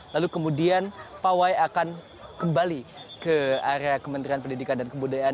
lalu kemudian pawai akan kembali ke area kementerian pendidikan dan kebudayaan